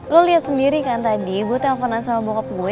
lo liat sendiri kan tadi gue telfonan sama bokap gue